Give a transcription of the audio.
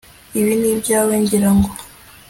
Ibi ni ibyawe ngira ngo